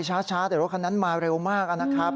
ช้าแต่รถคันนั้นมาเร็วมากนะครับ